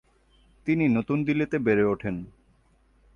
তিনি নতুন দিল্লিতে বেড়ে ওঠেন।